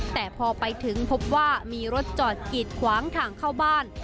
แต่พอไปถึงพบว่ามีรถจอดกีดขวางทางเข้าบ้าน